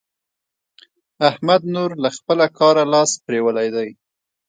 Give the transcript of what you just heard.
احمد نور له خپله کاره لاس پرېولی دی.